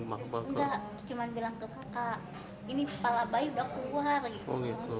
udah cuma bilang ke kakak ini kepala bayi udah keluar gitu